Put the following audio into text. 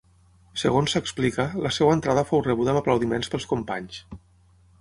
Segons s'explica, la seva entrada fou rebuda amb aplaudiments pels companys.